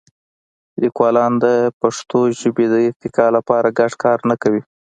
لیکوالان د پښتو ژبې د ارتقا لپاره ګډ کار نه کوي.